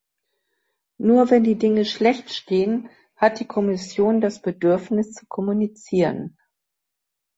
Nur wenn die Dinge schlecht stehen, hat die Kommission das Bedürfnis zu kommunizieren.